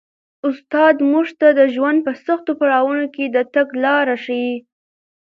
استاد موږ ته د ژوند په سختو پړاوونو کي د تګ لاره ښيي.